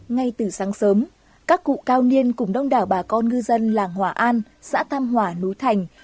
ngay từ sáng sớm các cụ cao niên cùng đông đảo bà con ngư dân làng hòa an xã tam hòa núi thành